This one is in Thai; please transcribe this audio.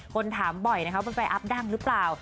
คนถามบ่อยนะครับว่าไฟอัพดังหรือเปล่า